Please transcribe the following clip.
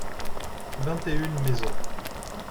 vingt et une maisons.